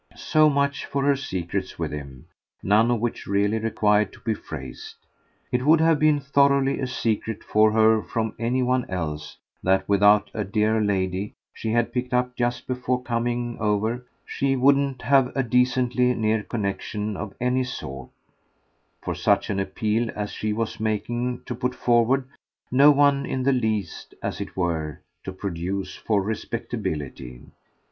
So much for her secrets with him, none of which really required to be phrased. It would have been thoroughly a secret for her from any one else that without a dear lady she had picked up just before coming over she wouldn't have a decently near connexion of any sort, for such an appeal as she was making, to put forward: no one in the least, as it were, to produce for respectability.